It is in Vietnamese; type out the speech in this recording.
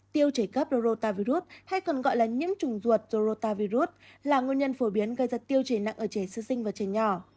tiêu chảy cấp rô ta virus hay còn gọi là nhiễm trùng ruột rô ta virus là nguyên nhân phổ biến gây ra tiêu chảy nặng ở trẻ sư sinh và trẻ nhỏ